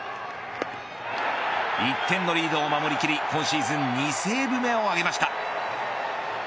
１点のリードを守り切り今シーズン２セーブ目を挙げました。